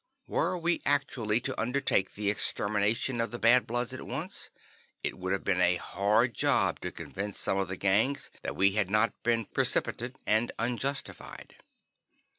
Were we actually to undertake the exterminations of the Bad Bloods at once, it would have been a hard job to convince some of the gangs that we had not been precipitate and unjustified.